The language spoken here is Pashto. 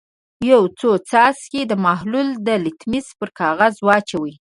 یو څو څاڅکي د محلول د لتمس پر کاغذ واچوئ.